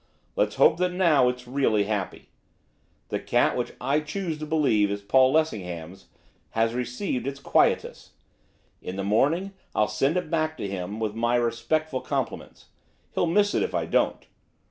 Let's hope that, now, it's really happy. The cat which I choose to believe is Paul Lessingham's has received its quietus; in the morning I'll send it back to him, with my respectful compliments. He'll miss it if I don't.